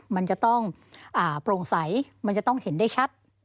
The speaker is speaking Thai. มันจะต้องโปร่งใสมันจะต้องเห็นได้ชัด